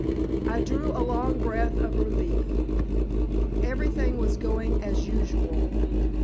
I drew a long breath of relief. Everything was going as usual.